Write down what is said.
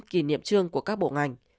một mươi năm kỷ niệm chương của các bộ ngành